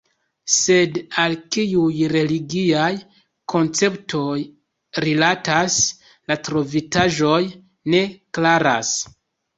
Sed al kiuj religiaj konceptoj rilatas la trovitaĵoj, ne klaras.